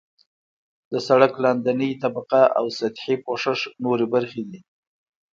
د سرک لاندنۍ طبقه او سطحي پوښښ نورې برخې دي